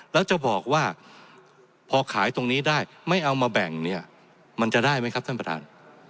แล้วจะบอกว่าพอขายตรงนี้ได้ไม่เอามาแบ่งเนี่ยมันจะได้ไหมครับท่านประธาน